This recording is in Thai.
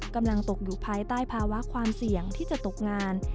กำลังตกอยู่ภายใต้ภาวะความเสี่ยงที่จะตกงาน